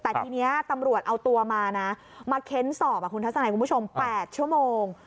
แต่ทีนี้ตำรวจเอาตัวมานะมาเค้นสอบคุณทัศนัยคุณผู้ชม๘ชั่วโมง